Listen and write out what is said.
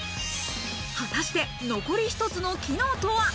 果たして残り一つの機能とは？